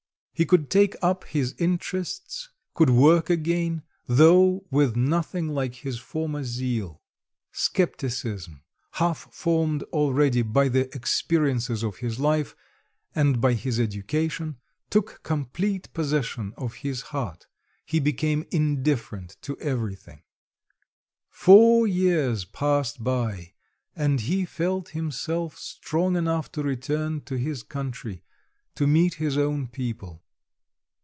He could take up his interests, could work again, though with nothing like his former zeal; scepticism, half formed already by the experiences of his life, and by his education, took complete possession of his heart. He became indifferent to everything. Four years passed by, and he felt himself strong enough to return to his country, to meet his own people.